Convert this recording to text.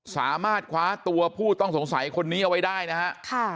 สามารถคว้าตัวผู้ต้องสงสัยคนนี้เอาไว้ได้นะฮะ